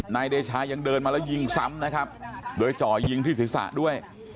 นายเดชายังเดินมาแล้วยิงซ้ำนะครับโดยจ่อยิงที่ศีรษะด้วย